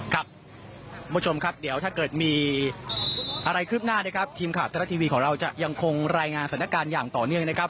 คุณผู้ชมครับเดี๋ยวถ้าเกิดมีอะไรคืบหน้านะครับทีมข่าวไทยรัฐทีวีของเราจะยังคงรายงานสถานการณ์อย่างต่อเนื่องนะครับ